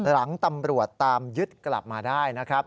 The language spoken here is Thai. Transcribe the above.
หลังตำรวจตามยึดกลับมาได้นะครับ